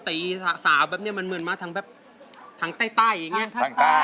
ตีสาวแบบนี้มันเหมือนมาทางแบบทางใต้อย่างนี้ทางใต้